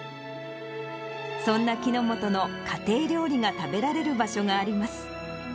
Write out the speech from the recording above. そんな木之本の家庭料理が食べられる場所があります。